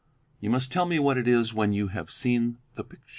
You must tell me what it is when you have seen the picture."